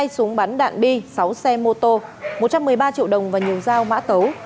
hai súng bắn đạn bi sáu xe mô tô một trăm một mươi ba triệu đồng và nhiều dao mã tấu